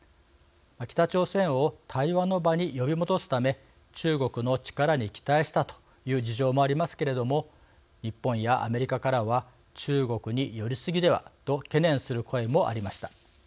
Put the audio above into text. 北朝鮮を対話の場に呼び戻すため中国の力に期待したという事情もありますけれども日本やアメリカからは中国に寄り過ぎではと懸念する声もありました。